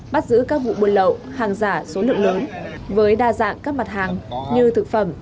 bắt giữ các vụ buôn lậu hàng giả số lượng lớn với đa dạng các mặt hàng như thực phẩm